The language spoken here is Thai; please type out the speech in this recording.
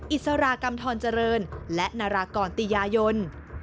อิสรากรรมธรรมเจริญและนรกรติยายน